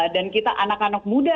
dan kita anak anak muda